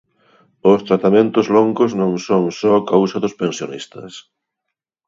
Os tratamentos longos non son só cousa dos pensionistas.